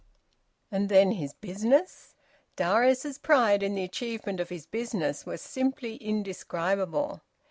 And then his business? Darius's pride in the achievement of his business was simply indescribable.